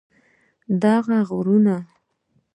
دغه غرونه